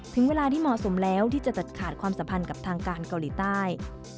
ถึงเวลาที่เหมาะสมแล้วที่จะตัดขาดความสัมพันธ์กับทางการเกาหลีใต้